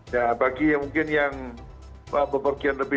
ya bagi yang mungkin yang beberapa yang lebih